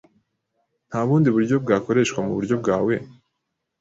Nta bundi buryo bwakoreshwa muburyo bwawe?